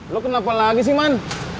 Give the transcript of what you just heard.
lo kenapa lagi sih man